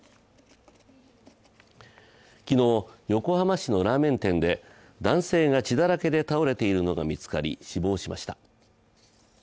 昨日、横浜市のラーメン店で男性が血だらけで倒れているのが見つかり、死亡しました。